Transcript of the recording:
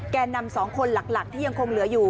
แก่นำ๒คนหลักที่ยังคงเหลืออยู่